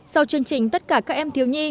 sau chương trình tất cả các em thiếu nhi